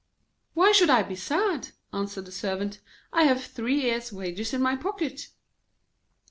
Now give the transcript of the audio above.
'Why should I be sad?' answered the Servant. 'I have three years' wages in my pocket.'